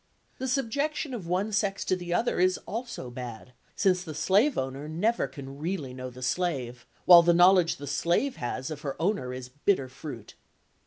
The subjection of one sex to the other is also bad, since the slave owner never can really know the slave, while the knowledge the slave has of her owner is bitter fruit.